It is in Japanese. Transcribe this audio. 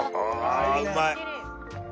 ああうまい。